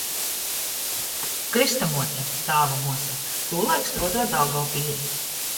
Krystamuote, tāva muosa, tūlaik struoduoja Daugovpilī.